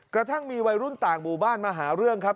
กระทั่งมีวัยรุ่นต่างหมู่บ้านมาหาเรื่องครับ